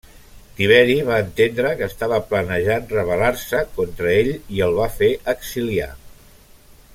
Tiberi va entendre que estava planejant rebel·lar-se contra ell i el va fer exiliar.